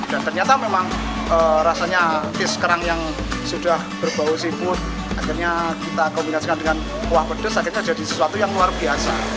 dan ternyata memang rasanya taste kerang yang sudah berbau seafood akhirnya kita kombinasikan dengan kuah pedas akhirnya jadi sesuatu yang luar biasa